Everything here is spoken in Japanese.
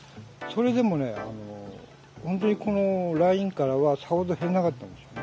それでもね、本当にこのラインからはさほど減らなかったんですよ。